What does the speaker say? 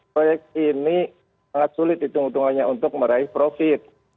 proyek ini sangat sulit hitung hitungannya untuk meraih profit